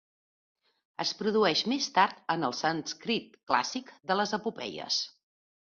Es produeix més tard en el sànscrit clàssic de les epopeies.